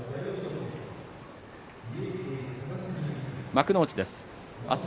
幕内です。